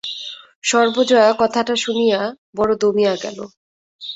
সর্বজয়া কথাটা শুনিয়া বড় দমিয়া গেল।